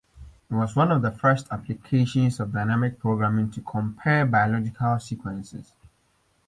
It was one of the first applications of dynamic programming to compare biological sequences.